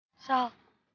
nanti aku ambil